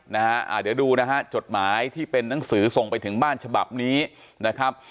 นะฮะอ่าเดี๋ยวดูนะฮะจดหมายที่เป็นนังสือส่งไปถึงบ้านฉบับนี้นะครับ